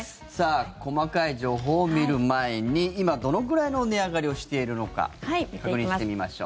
細かい情報を見る前に今、どのぐらいの値上がりをしているのか確認してみましょう。